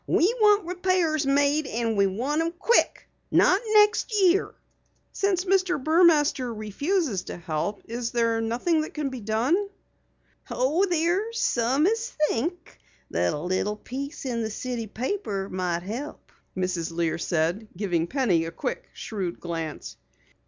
We want repairs made and we want 'em quick not next year." "Since Mr. Burmaster refuses to help is there nothing that can be done?" "There's some as thinks a little piece in the city papers might help," Mrs. Lear said, giving Penny a quick, shrewd glance.